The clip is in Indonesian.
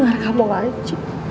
suara kamu indah sekali